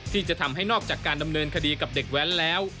ที่จะทำให้นอกจากการดำเนินคดีกับเด็กแว้นแล้ว